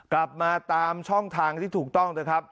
กลับมาตามช่องทางที่ถูกต้องนะครับ